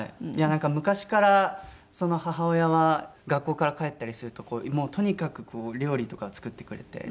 なんか昔から母親は学校から帰ったりするともうとにかく料理とかを作ってくれて。